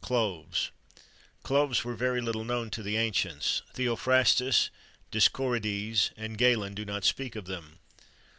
CLOVES. Cloves were very little known to the ancients. Theophrastus, Dioscorides, and Galen do not speak of them.